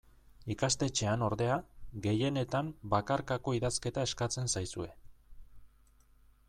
Ikastetxean, ordea, gehienetan bakarkako idazketa eskatzen zaizue.